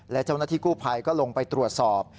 และเจ้าหน้าที่กู้ภัยก็ลงไปตรวจสอบ